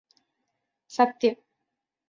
സത്യം